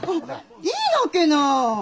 いいなけな。